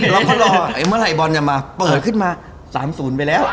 เราคงรอไอ้เมื่อละอีบอลจะมาเปิดขึ้นมาสามศูนย์ไปแล้ว